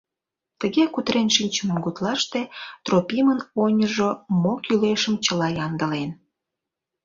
Тыге кутырен шинчыме гутлаште Тропимын оньыжо мо кӱлешым чыла ямдылен.